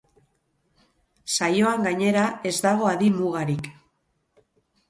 Saioan gainera, ez dago adin mugarik.